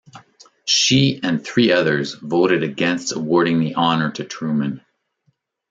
She and three others voted against awarding the honour to Truman.